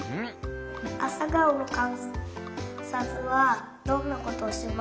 あさがおのかんさつはどんなことをしましたか。